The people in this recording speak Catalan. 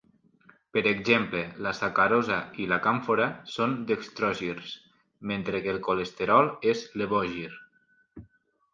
Per exemple, la sacarosa i la càmfora són dextrogirs mentre que el colesterol es levogir.